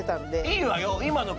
いいわよ！